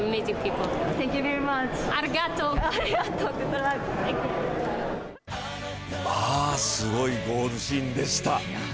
まあすごいゴールシーンでした。